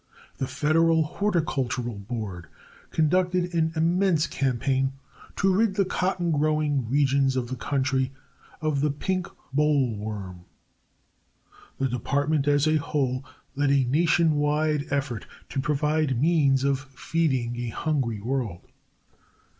The Federal Horticultural Board conducted an immense campaign to rid the cotton growing regions of the country of the pink boll worm. The Department as a whole led a nation wide effort to provide means of feeding a hungry world.